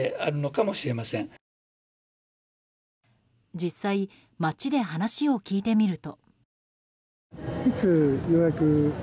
実際、街で話を聞いてみると。